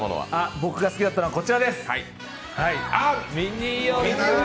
僕が好きだったのは、こちらです。